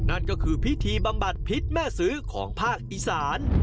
นั่นก็คือพิธีบำบัดพิษแม่ซื้อของภาคอีสาน